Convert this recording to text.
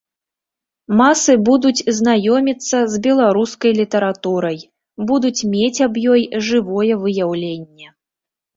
Масы будуць знаёміцца з беларускай літаратурай, будуць мець аб ёй жывое выяўленне.